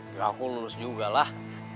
ya aku lulus juga lah